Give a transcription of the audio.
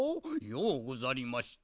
ようござりました。